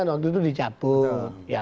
waktu itu dicabut